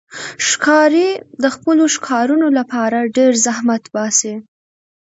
ښکاري د خپلو ښکارونو لپاره ډېر زحمت باسي.